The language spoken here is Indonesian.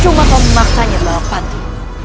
cuma kau memaksanya bawa panti